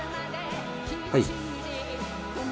はい。